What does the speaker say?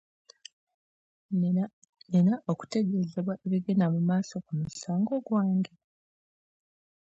Nina okutegeezebwa ebigenda mu maaso ku musango gwange?